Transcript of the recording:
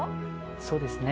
そうですね